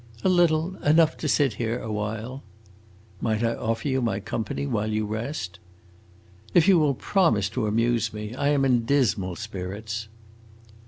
"A little enough to sit here a while." "Might I offer you my company while you rest?" "If you will promise to amuse me. I am in dismal spirits."